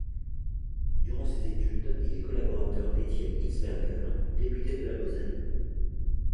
Durant ses études il est collaborateur d’Etienne Hinsberger, député de la Moselle.